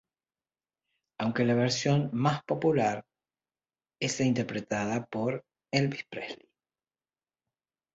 Aunque la versión más popular es la interpretada por Elvis Presley.